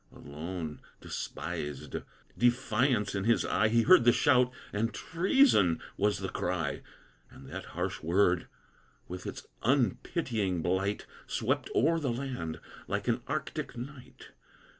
Alone, despised, defiance in his eye, He heard the shout, and "treason!" was the cry; And that harsh word, with its unpitying blight, Swept o'er the island like an arctic night.